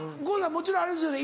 もちろんあれですよね